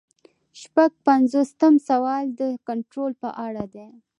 شپږ پنځوسم سوال د کنټرول په اړه دی.